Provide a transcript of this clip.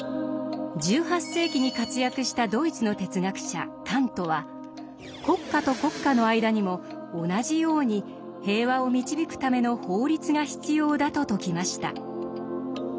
１８世紀に活躍したドイツの哲学者カントは国家と国家の間にも同じように平和を導くための法律が必要だと説きました。